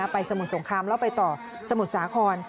สมุทรสงครามแล้วไปต่อสมุทรสาคร